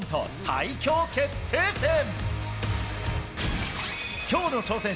最強決定戦。